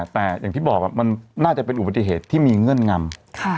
แต่อย่างที่บอกมันน่าจะเป็นอุบัติเหตุที่มีเงื่อนงำ